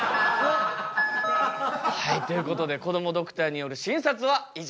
はいということでこどもドクターによる診察は以上となります。